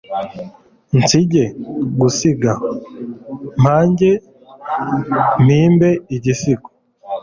nsîge (gusiga) mpange, mpimbe igisigo